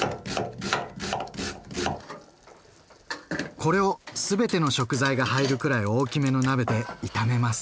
これを全ての食材が入るくらい大きめの鍋で炒めます。